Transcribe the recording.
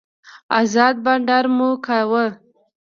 ازاد بانډار مو کاوه.